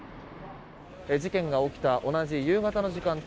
事件が起きた同じ夕方の時間帯。